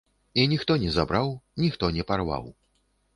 І ніхто не забраў, ніхто не парваў.